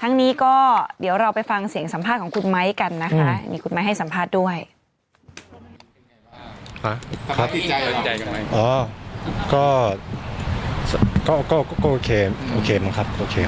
ทั้งนี้ก็เดี๋ยวเราไปฟังเสียงสัมภาษณ์ของคุณไม้ด้วยนะคะ